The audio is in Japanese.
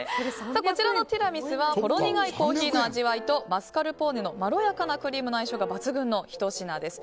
こちらのティラミスはほろ苦いコーヒーの味わいとマスカルポーネのまろやかなクリームの相性が抜群のひと品です。